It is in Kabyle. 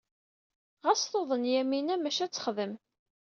Ɣas tuḍen Yamina, maca ad texdem.